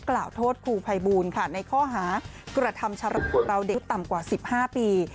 กล่าวโทษครูพัยบูรณ์ค่ะในข้อหากระทำชะละเบาเด็กที่ต่ำกว่า๑๕ปี